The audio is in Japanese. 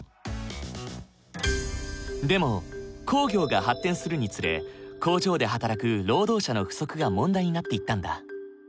でも工業が発展するにつれ工場で働く労働者の不足が問題になっていったんだ。